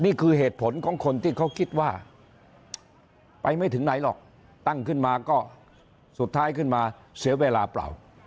นี่คือเหตุผลของคนที่เขาคิดว่าไปไม่ถึงไหนหรอกตั้งขึ้นมาก็สุดท้ายขึ้นมาเสียเวลาเปล่า